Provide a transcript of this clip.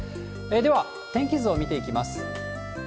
では、天気図を見ていきます。